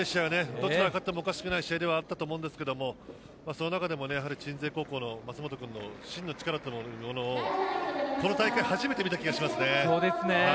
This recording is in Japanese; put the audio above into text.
どちらが勝ってもおかしくない試合だったと思いますがその中でも鎮西高校の舛本君の真の力をこの大会、初めて見た気がしますね。